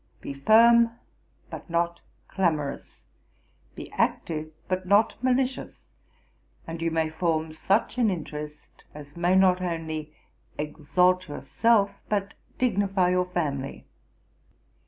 Be firm, but not clamorous; be active, but not malicious; and you may form such an interest, as may not only exalt yourself, but dignify your family.